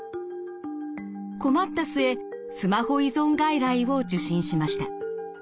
困った末スマホ依存外来を受診しました。